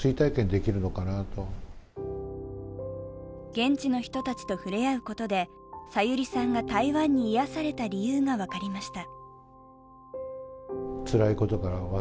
現地の人たちとふれあうことで小百合さんが台湾に癒やされた理由が分かりました。